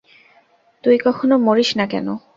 তুই কখনো মরিস না কেন?